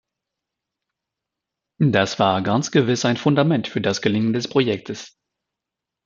Das war ganz gewiss ein Fundament für das Gelingen des Projektes.